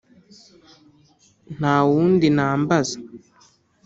Nta wundi nambaza